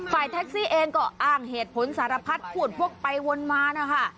ฝ่ายแท็กซี่เองก็อ้างเหตุผลสารพัดพูดพกไปวนมานะคะ